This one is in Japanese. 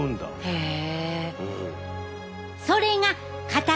へえ。